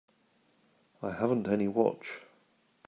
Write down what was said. I haven't any watch.